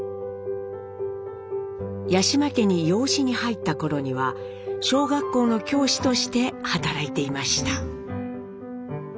八嶋家に養子に入った頃には小学校の教師として働いていました。